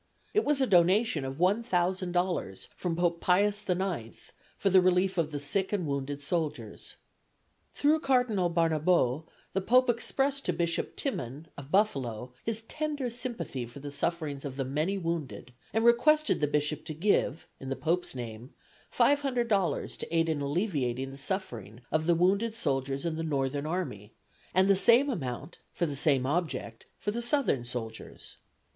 It was a donation of $1000 from Pope Pius the IX for the relief of the sick and wounded soldiers. Through Cardinal Barnabo the Pope expressed to Bishop Timon, of Buffalo, his tender sympathy for the sufferings of the many wounded, and requested the Bishop to give, in the Pope's name, $500 to aid in alleviating the suffering of the wounded soldiers in the Northern army, and the same amount for the same object for the Southern soldiers.